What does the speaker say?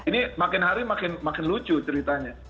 ini makin hari makin lucu ceritanya